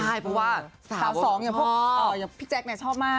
ใช่เพราะว่าสาวสองอย่างพวกพี่แจ๊คเนี่ยชอบมาก